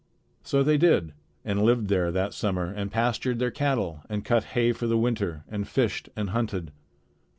So they did and lived there that summer and pastured their cattle and cut hay for the winter and fished and hunted.